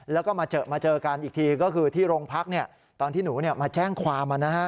แล้วก็มาเจอกันอีกทีก็คือที่โรงพักตอนที่หนูมาแจ้งความ